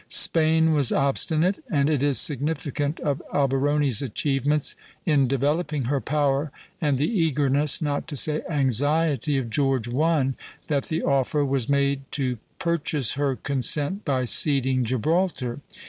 Spain was obstinate; and it is significant of Alberoni's achievements in developing her power, and the eagerness, not to say anxiety, of George I., that the offer was made to purchase her consent by ceding Gibraltar.